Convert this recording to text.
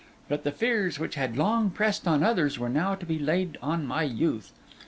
But the fears which had long pressed on others were now to be laid on my youth.